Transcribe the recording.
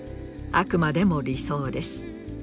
あくまでも理想です。